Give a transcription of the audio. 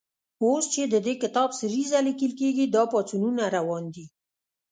اوس چې د دې کتاب سریزه لیکل کېږي، دا پاڅونونه روان دي.